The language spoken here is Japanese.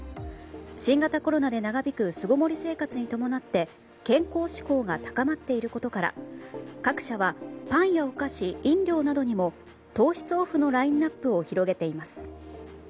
新型コロナで長引く巣ごもり生活で健康志向が高まっていることから各社はパンやお菓子、飲料などにも糖質オフのラインアップを広げています。